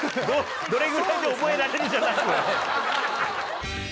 どれぐらいで覚えられるじゃなく。